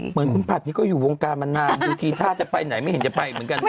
เหมือนคุณผัดนี่ก็อยู่วงการมานานดูทีท่าจะไปไหนไม่เห็นจะไปเหมือนกัน